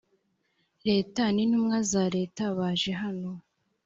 leta n intumwa za leta baje hano